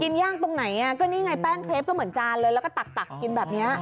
ย่างตรงไหนอ่ะก็นี่ไงแป้งเครปก็เหมือนจานเลยแล้วก็ตักกินแบบนี้